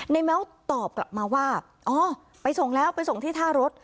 แม้วตอบกลับมาว่าอ๋อไปส่งแล้วไปส่งที่ท่ารถ